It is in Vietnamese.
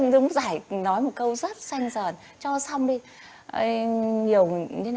đúng giải nói một câu rất xanh sờn cho nó xong đi